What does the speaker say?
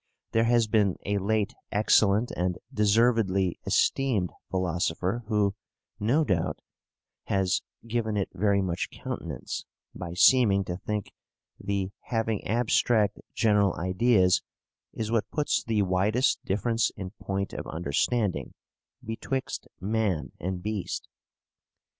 There has been a late excellent and deservedly esteemed philosopher who, no doubt, has given it very much countenance, by seeming to think the having abstract general ideas is what puts the widest difference in point of understanding betwixt man and beast.